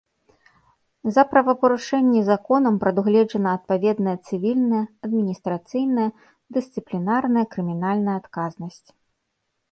За правапарушэнні законам прадугледжана адпаведная цывільная, адміністрацыйная, дысцыплінарная, крымінальная адказнасць.